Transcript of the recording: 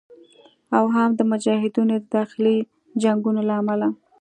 او هم د مجاهدینو د داخلي جنګونو له امله